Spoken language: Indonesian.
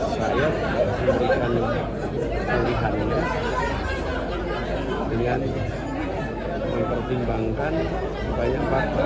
saya memberikan pengalaman dengan mempertimbangkan banyak fakta